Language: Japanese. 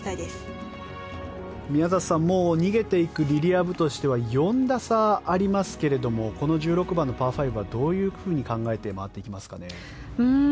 宮里さん逃げていくリリア・ブとしては４打差ありますけどこの１６番のパー５はどういうふうに考えて回っていきますかね。